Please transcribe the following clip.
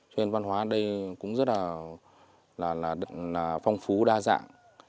cho nên văn hóa ở đây cũng rất là phong phú đa dạng